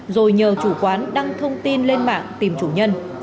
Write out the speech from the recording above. rồi nhờ chủ quán đăng thông tin lên mạng tìm chủ nhân